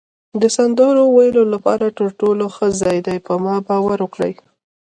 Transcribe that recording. د سندرو ویلو لپاره تر ټولو ښه ځای دی، په ما باور وکړئ.